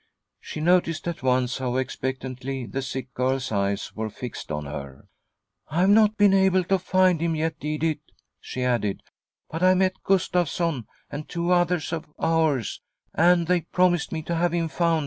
She noticed at once how expect antly the sick girl's eyes were fixed on her. " I've not been able to find him, yet, Edith," she added, " but I met Gustavsson and two others of ours, and they promised me to have him found.